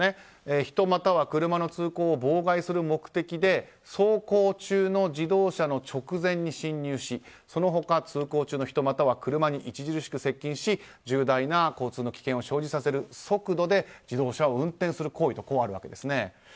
人または車の通行を妨害する目的で走行中の自動車の直前に進入しその他、通行中の人または車に著しく接近し重大な交通の危険を生じさせる速度で自動車を運転する行為とあるわけです。